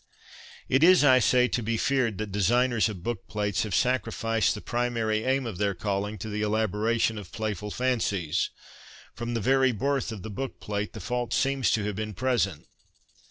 It is, I say, to be feared that designers of book plates have sacrificed the primary aim of their calling to the elaboration of playful fancies. From the very birth of the bookplate the fault seems to have been present.